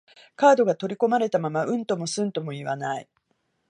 カードが取り込まれたまま、うんともすんとも言わない